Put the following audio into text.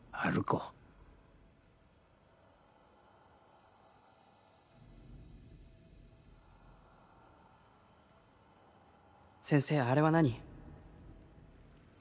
こう先生あれは何？